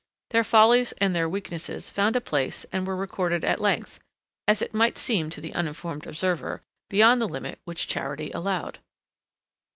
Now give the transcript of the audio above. Their follies and their weaknesses found a place and were recorded at a length (as it might seem to the uninformed observer) beyond the limit which charity allowed.